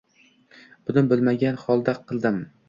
Buni bilmagan holda qildim.